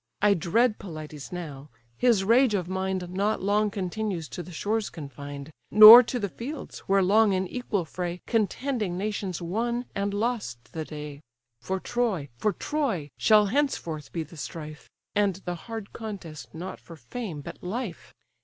I dread Pelides now: his rage of mind Not long continues to the shores confined, Nor to the fields, where long in equal fray Contending nations won and lost the day; For Troy, for Troy, shall henceforth be the strife, And the hard contest not for fame, but life.